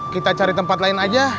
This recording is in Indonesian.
kita cari tempat lain aja